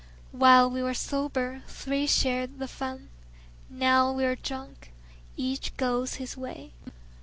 While we were sober, three shared the fun; Now we are drunk, each goes his way.